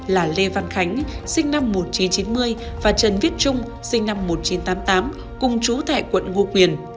là lê văn khánh sinh năm một nghìn chín trăm chín mươi và trần viết trung sinh năm một nghìn chín trăm tám mươi tám cùng chú tại quận ngo quyền